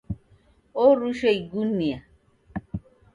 Orushwa igunia